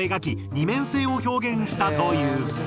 ２面性を表現したという。